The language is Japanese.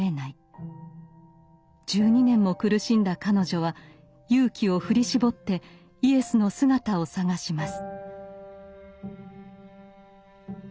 １２年も苦しんだ彼女は勇気を振り絞ってイエスの姿を探します。